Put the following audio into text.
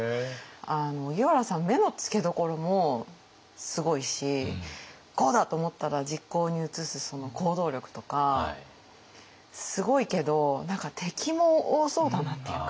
荻原さん目の付けどころもすごいし「こうだ！」と思ったら実行に移すその行動力とかすごいけど何か敵も多そうだなっていうか。